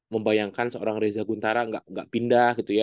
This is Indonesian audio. membayangkan seorang reza guntara nggak pindah gitu ya